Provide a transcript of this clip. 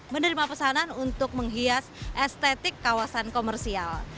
menerima pesanan untuk menghias estetik kawasan komersial